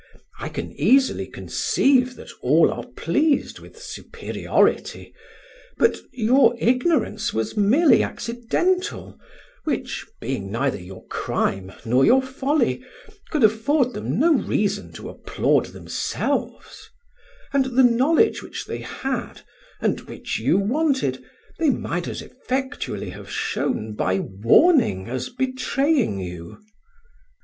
I can easily conceive that all are pleased with superiority; but your ignorance was merely accidental, which, being neither your crime nor your folly, could afford them no reason to applaud themselves; and the knowledge which they had, and which you wanted, they might as effectually have shown by warning as betraying you."